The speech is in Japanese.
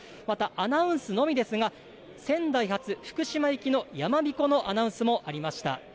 またアナウンスのみですが、仙台発、福島行きのやまびこ行きのアナウンスもありました。